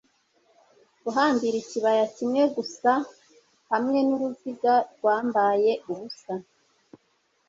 Guhambira ikibaya kimwe gusa hamwe nuruziga rwambaye ubusa